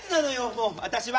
もう私は！」